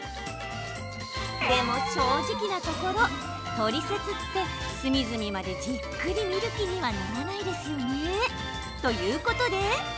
でも、正直なところトリセツって隅々までじっくり見る気にはならないですよね。ということで。